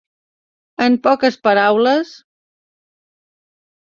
En poques paraules: